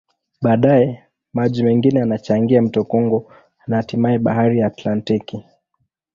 Baadaye, maji mengine yanachangia mto Kongo na hatimaye Bahari ya Atlantiki.